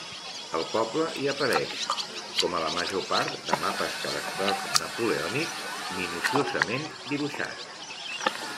El poble hi apareix, com a la major part de mapes cadastrals napoleònics, minuciosament dibuixat.